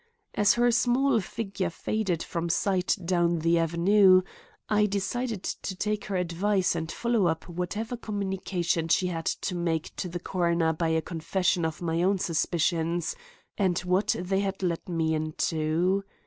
As her small figure faded from sight down the avenue, I decided to take her advice and follow up whatever communication she had to make to the coroner by a confession of my own suspicions and what they had led me into.